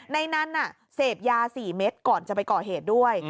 ในนั้นเสพยา๔เม็ดก่อนจะไปก่อเหตุด้วย